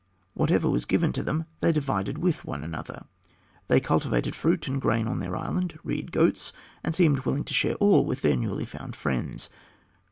Whatever was given to them they divided with one another. They cultivated fruit and grain on their island, reared goats, and seemed willing to share all with their newly found friends.